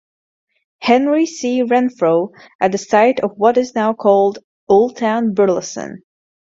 Henry C. Renfro at the site of what is now called "Old Town" Burleson.